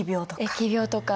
疫病とか。